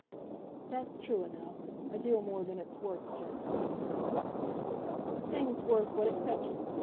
"That's true enough; a deal more than it's worth, generally." "A thing's worth what it fetches.